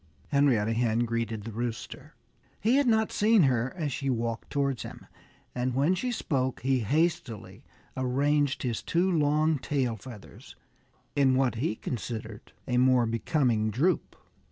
Henrietta Hen greeted the Rooster. He had not seen her as she walked towards him. And when she spoke he hastily arranged his two long tail feathers in what he considered a more becoming droop.